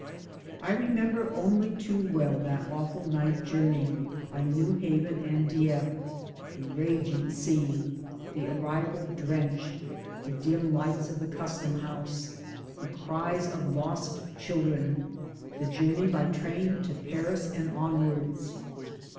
I remember only too well that awful night journey by Newhaven and Dieppe, the raging sea, the arrival drenched, the dim lights of the Customhouse, the cries of lost children, the journey by train to Paris and onwards.